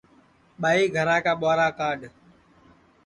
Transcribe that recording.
ٻائی گھرا کا ٻُوہارا کاڈؔ